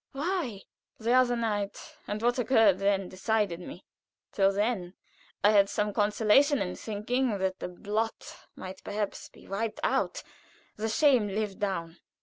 "Why?" "The other night, and what occurred then, decided me. Till then I had some consolation in thinking that the blot might perhaps be wiped out the shame lived down.